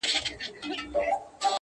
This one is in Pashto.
هم سپرلي او هم ګلان په ګاڼو ولي،